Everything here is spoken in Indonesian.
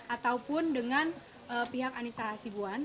ataupun dengan pihak andisa hasibun